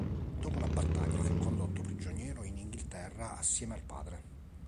Dopo la battaglia fu condotto prigioniero in Inghilterra assieme al padre.